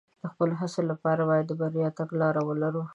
د خپلو هڅو لپاره باید د بریا تګلاره ولرو.